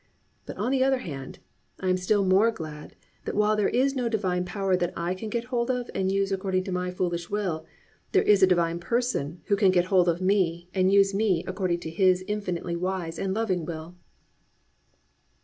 But on the other hand, I am still more glad that while there is no divine power that I can get hold of and use according to my foolish will, there is a Divine Person who can get hold of me and use me according to His infinitely wise and loving will.